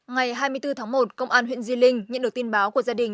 ngày hai mươi bốn tháng một công an huyện di linh nhận được tin báo của gia đình